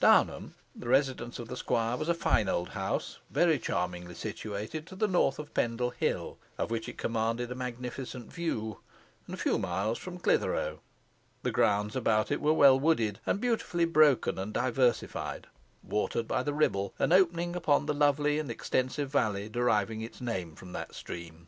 Downham, the residence of the squire, was a fine old house, very charmingly situated to the north of Pendle Hill, of which it commanded a magnificent view, and a few miles from Clithero. The grounds about it were well wooded and beautifully broken and diversified, watered by the Ribble, and opening upon the lovely and extensive valley deriving its name from that stream.